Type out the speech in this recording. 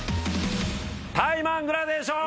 タイマングラデーション！